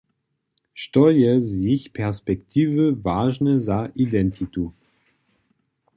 Što je z jich perspektiwy wažne za identitu?